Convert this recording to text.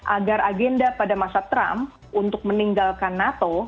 agar agenda pada masa trump untuk meninggalkan nato